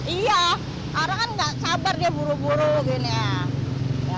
iya orang kan nggak sabar dia buru buru gini ya